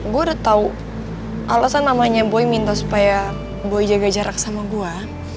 gue udah tau alasan namanya boy minta supaya boy jaga jarak sama gue